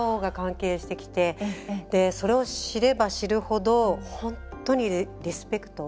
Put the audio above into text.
それを知れば知るほど本当にリスペクト。